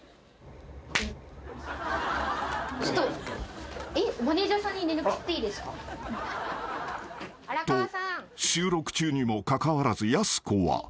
［と収録中にもかかわらずやす子は］